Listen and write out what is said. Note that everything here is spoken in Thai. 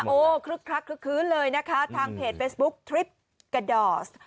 คึกคลักคลึกคื้นเลยนะคะทางเพจเฟซบุ๊คทริปกระดอส